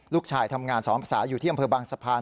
ลูกชายทำงานสอนภาษาอยู่ที่อำเภอบางสะพาน